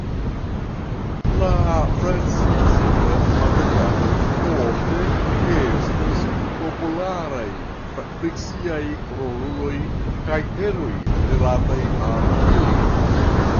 La franĉizita materialo ofte estas popularaj fikciaj roluloj kaj eroj rilataj al ili.